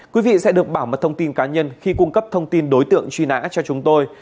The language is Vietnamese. quý vị sẽ được bảo mật thông tin cá nhân khi cung cấp thông tin đối tượng truy nã cho chúng tôi